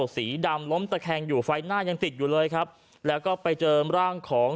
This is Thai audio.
สีดำล้มตะแคงอยู่ไฟหน้ายังติดอยู่เลยครับแล้วก็ไปเจอร่างของ